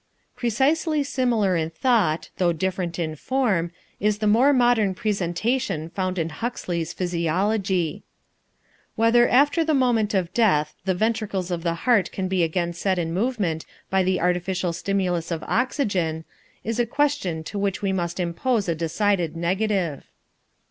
Precisely similar in thought, though different in form, is the more modern presentation found in Huxley's Physiology: "Whether after the moment of death the ventricles of the heart can be again set in movement by the artificial stimulus of oxygen, is a question to which we must impose a decided negative."